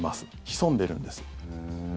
潜んでるんです。